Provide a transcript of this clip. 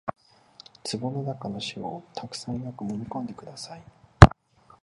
壺の中の塩をたくさんよくもみ込んでください